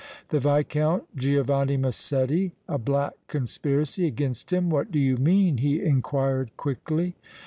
"The Viscount Giovanni Massetti! A black conspiracy against him! What do you mean?" he inquired, quickly.